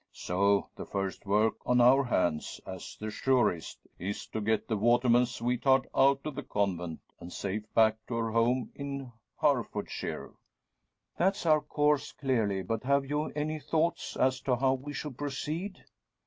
So, the first work on our hands, as the surest, is to get the waterman's sweetheart out of the convent, and safe back to her home in Herefordshire. "That's our course, clearly. But have you any thoughts as to how we should proceed?"